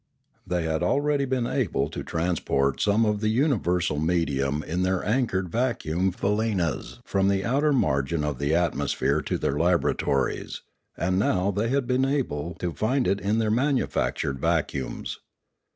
They had already been able to transport some of the universal medium in their anchored va cuum faleenas from the outer margin of the atmosphere to their laboratories, aud now they had been able to find it in their manufactured vacuums.